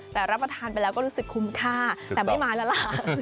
แต่รับประทานไปแล้วก็รู้สึกคุ้มค่าแต่ไม่มาแล้วล่ะ